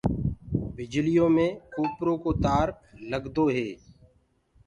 بجليٚ يو مي ڪوپرو ڪو تآر لگدو هي۔